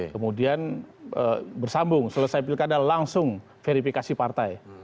kemudian bersambung selesai pilkada langsung verifikasi partai